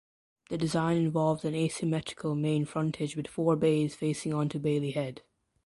The design involved an asymmetrical main frontage with four bays facing onto Bailey Head.